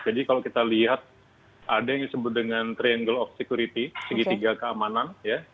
jadi kalau kita lihat ada yang disebut dengan triangle of security segitiga keamanan